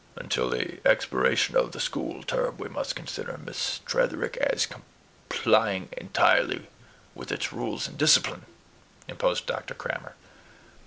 "Until the expiration of the school term, we must consider Miss Tretherick as complying entirely with its rules and discipline," imposed Dr. Crammer.